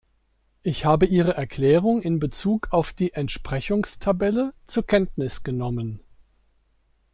Ich habe Ihre Erklärung in Bezug auf die Entsprechungstabelle zur Kenntnis genommen.